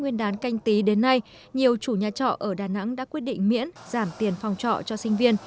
nguyên đán canh tí đến nay nhiều chủ nhà trọ ở đà nẵng đã quyết định miễn giảm tiền phòng trọ cho sinh viên